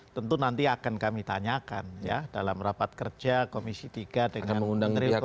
tentu nanti akan kami tanyakan ya dalam rapat kertian